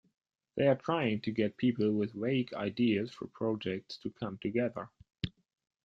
They're trying to get people with vague ideas for projects to come together.